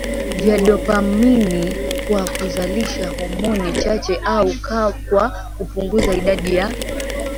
vya dopamini kwa kuzalisha homoni chache au kwa kupunguza idadi ya